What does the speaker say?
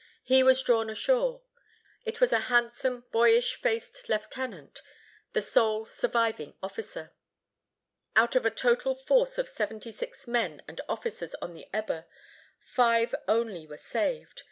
He was drawn ashore. It was a handsome boyish faced lieutenant, the sole surviving officer. Out of a total force of seventy six men and officers on the Eber, five only were saved.